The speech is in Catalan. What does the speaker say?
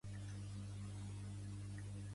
Pertany al moviment independentista la Karolina?